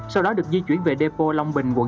sau đó được di chuyển về depot long bình quận chín